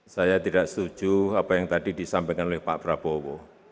saya tidak setuju apa yang tadi disampaikan oleh pak prabowo